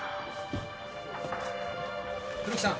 古木さん。